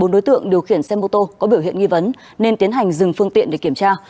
bốn đối tượng điều khiển xe mô tô có biểu hiện nghi vấn nên tiến hành dừng phương tiện để kiểm tra